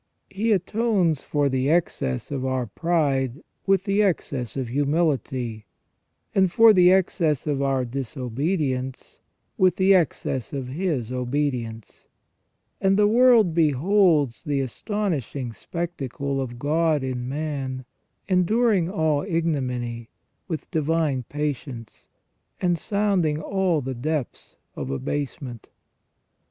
He atones for the excess of our pride with the excess of humility, and for the excess of our disobedience with the excess of His obedience; and the world beholds the astonishing spectacle of God in man enduring all ignominy with divine patience, and sounding all the depths of abasement.